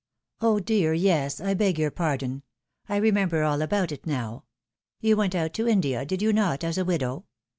" Oh dear yes ; I beg your pardon. I remember all about it now. You went out to India, did you not, as a widow